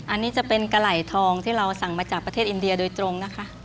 อันนี้จะเป็นกะไหล่ทองที่เราสั่งมาจากประเทศอินเดียโดยตรงนะคะ